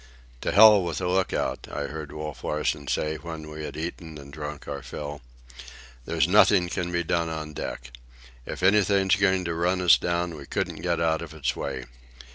"To hell with a look out," I heard Wolf Larsen say when we had eaten and drunk our fill. "There's nothing can be done on deck. If anything's going to run us down we couldn't get out of its way.